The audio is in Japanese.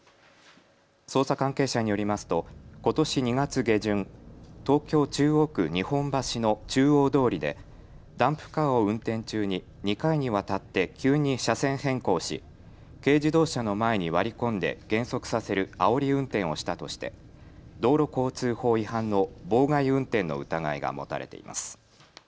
捜査関係者によりますとことし２月下旬、東京中央区日本橋の中央通りでダンプカーを運転中に２回にわたって急に車線変更し軽自動車の前に割り込んで減速させるあおり運転をしたとして道路交通法違反の妨害運転の疑いが持たれています。